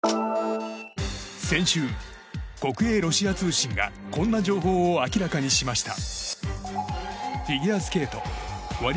先週、国営ロシア通信がこんな情報を明らかにしました。